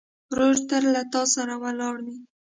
ورور تل له تا سره ولاړ وي.